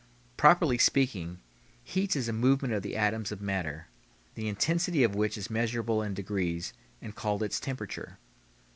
Properly speaking, heat is a movement of the atoms of matter, the intensity of which is measurable in degrees, and called its temperature.